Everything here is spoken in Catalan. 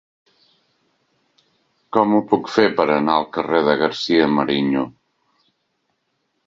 Com ho puc fer per anar al carrer de García-Mariño?